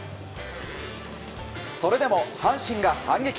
それでも阪神が反撃。